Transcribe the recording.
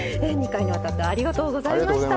２回にわたってありがとうございました。